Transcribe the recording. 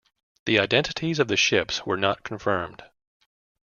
The identities of the ships were not confirmed.